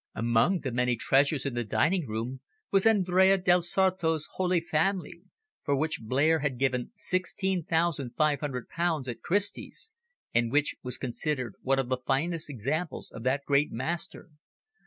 Among the many treasures in the dining room was Andrea del Sarto's "Holy Family," for which Blair had given sixteen thousand five hundred pounds at Christie's, and which was considered one of the finest examples of that great master.